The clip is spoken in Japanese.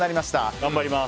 頑張ります。